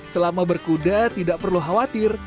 selama berkuda tidak perlu khawatir